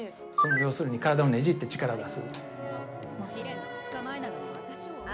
要するに体をねじって力を出す。